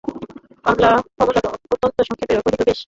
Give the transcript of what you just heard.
কমলা অত্যন্ত সংক্ষেপে কহিল, বেশ।